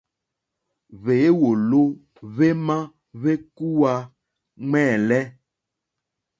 Hwěwòló hwémá hwékúwǃá ŋwɛ́ǃɛ́lɛ́.